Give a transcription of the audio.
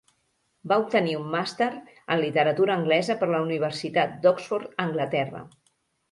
Va obtenir un màster en literatura anglesa per la Universitat d'Oxford a Anglaterra.